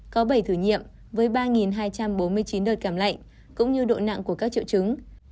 có bảy thử nghiệm với ba hai trăm bốn mươi chín đời cảm lạnh cũng như độ nặng của các triệu chứng